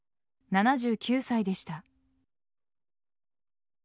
７９歳でした。